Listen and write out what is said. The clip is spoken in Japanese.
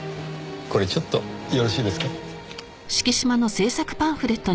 これちょっとよろしいですか？